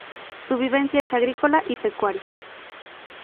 Su vivencia es agrícola y pecuaria.